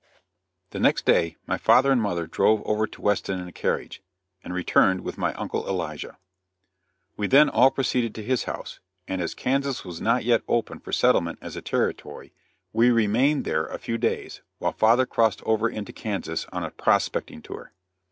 The next day my father and mother drove over to Weston in a carriage, and returned with my Uncle Elijah. We then all proceeded to his house, and as Kansas was not yet open for settlement as a territory, we remained there a few days, while father crossed over into Kansas on a prospecting tour.